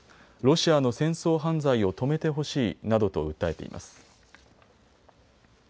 ロシアの戦争犯罪を止めてほしいなどと訴えています。